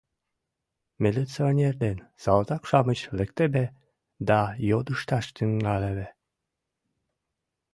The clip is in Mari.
Милиционер ден салтак-шамыч лектеве да йодышташ тӱҥалеве: